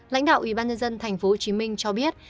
lãnh đạo ubnd tp hcm cho biết